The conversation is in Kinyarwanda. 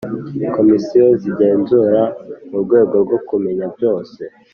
Komisiyo z igenzura mu rwego rwo kumenya byose